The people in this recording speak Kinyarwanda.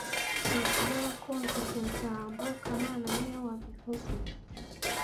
Sinshobora kumva iryo jambo kamana niwe wabivuze